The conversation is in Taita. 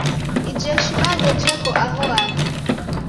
Ijeshi bado jeko aho andu.